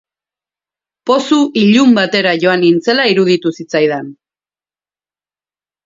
Pozu ilun batera joan nintzela iruditu zitzaidan.